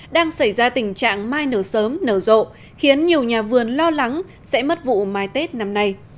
đang xảy ra tình trạng mai nở sớm nở rộ khiến nhiều nhà vườn lo lắng sẽ mất vụ mai tết năm nay